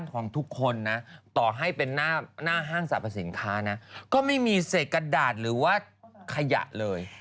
หน้าห้างสรรพสินค้านะก็ไม่มีเศษกระดาษหรือว่าขยะเลย